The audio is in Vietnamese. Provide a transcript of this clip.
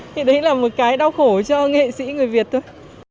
thì đấy là một cái đau khổ cho nghệ sĩ người việt thôi